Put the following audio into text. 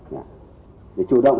để chủ động xây dựng